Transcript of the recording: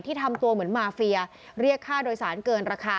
ทำตัวเหมือนมาเฟียเรียกค่าโดยสารเกินราคา